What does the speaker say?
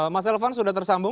mas elvan sudah tersambung